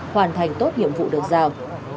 hoàn thành tốt nhiệm vụ được giao